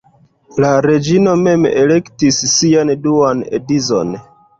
La reĝino mem elektis sian duan edzon.